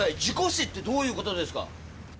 事故死ってどういう事ですか？